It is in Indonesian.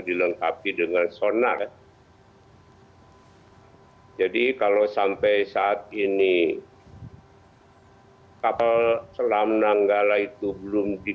dilengkapi dengan sonar hai jadi kalau sampai saat ini kapal selam nanggala itu belum di